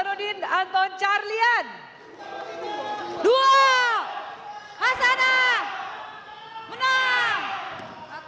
terimakasih pak ayat hidayat